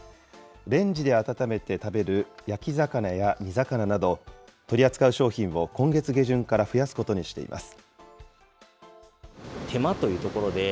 レンジで温めて食べる焼き魚や煮魚など、取り扱う商品を今月下旬から増やすことにしています。